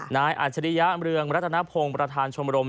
นายอัจฉริยะเรืองรัฐนพงษ์ประธานชมรม